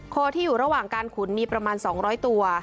คอที่อยู่ระหว่างการขุนมีประมาณ๒๐๐ตัว